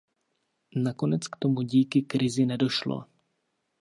Nakonec k tomu díky Krizi nedošlo.